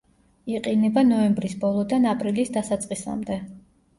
იყინება ნოემბრის ბოლოდან აპრილის დასაწყისამდე.